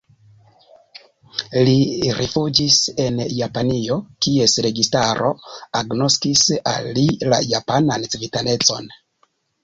Li rifuĝis en Japanio, kies registaro agnoskis al li la japanan civitanecon.